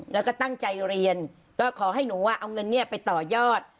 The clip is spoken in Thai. แล้วก็ตั้งใจเรียนก็ขอให้หนูเอาเงินไปต่อยอด